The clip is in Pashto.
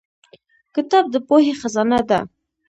• کتاب د پوهې خزانه ده.